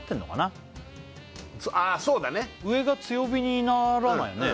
そうだね上が強火にならないよね